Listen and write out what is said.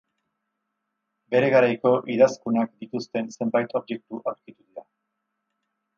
Bere garaiko idazkunak dituzten zenbait objektu aurkitu dira.